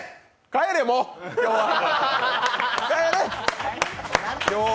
帰れ、もう！